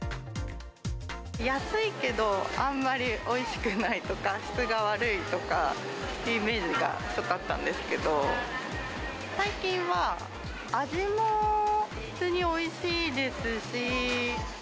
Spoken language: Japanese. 安いけど、あんまりおいしくないとか、質が悪いとかっていうイメージがちょっとあったんですけど、最近は味も普通においしいですし。